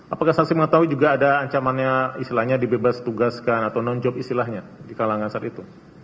apakah saksi mengetahui juga ada ancamannya istilahnya dibebas tugaskan atau non job istilahnya di kalangan saat itu